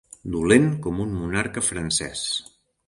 Dolent com un monarca francès.